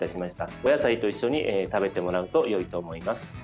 お野菜と一緒に食べてもらうとよいと思います。